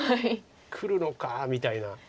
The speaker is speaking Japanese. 「くるのか」みたいな。